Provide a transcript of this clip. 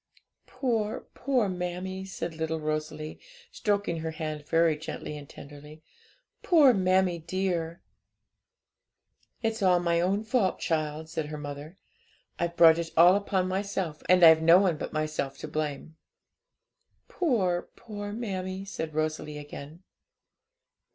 'Poor, poor mammie!' said little Rosalie, stroking her hand very gently and tenderly 'poor mammie dear!' 'It's all my own fault, child,' said her mother; 'I've brought it all upon my self, and I've no one but myself to blame.' 'Poor, poor mammie!' said Rosalie again.